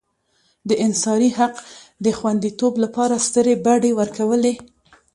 د انحصاري حق د خوندیتوب لپاره سترې بډې ورکولې.